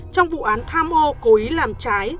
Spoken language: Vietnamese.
trong vụ án tham âu cố ý làm trái